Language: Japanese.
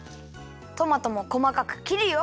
トマトもこまかくきるよ。